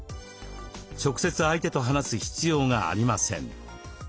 直接相手と話す必要がありません。